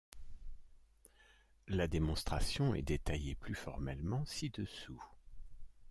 La démonstration est détaillée plus formellement ci-dessous.